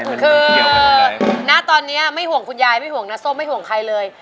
คือณตอนนี้ไม่ห่วงคุณยายไม่ห่วงนะส้มไม่ห่วงใครเลย